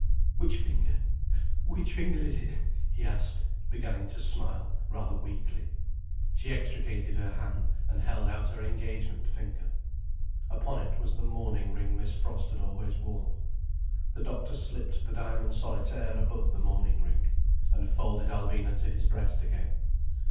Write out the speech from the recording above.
"Which finger? Which finger is it?" he asked, beginning to smile rather weakly. She extricated her hand, and held out her engagement finger. Upon it was the mourning ring Miss Frost had always worn. The doctor slipped the diamond solitaire above the mourning ring, and folded Alvina to his breast again.